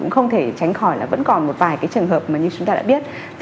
không thể tránh khỏi là vẫn còn một vài trường hợp như chúng ta đã biết